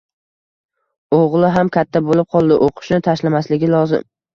O`g`li ham katta bo`lib qoldi, o`qishini tashlamasligi lozim